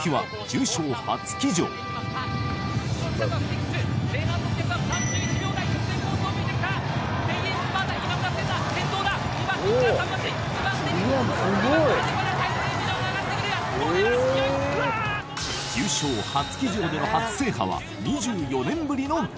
重賞初騎乗での初制覇は２４年ぶりの快挙。